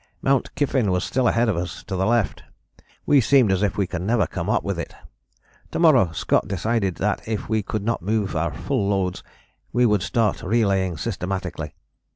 Mount Kyffin was still ahead of us to the left: we seemed as if we can never come up with it. To morrow Scott decided that if we could not move our full loads we would start relaying systematically.